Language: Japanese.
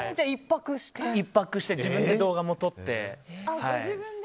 １泊して、自分で動画も撮って。